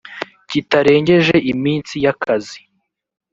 kitarengeje iminsi y akazi